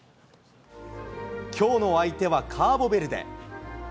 きょうの相手はカーボベルデ。